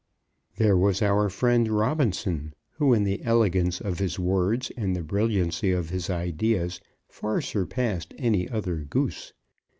There was our friend Robinson, who in the elegance of his words, and the brilliancy of his ideas, far surpassed any other Goose.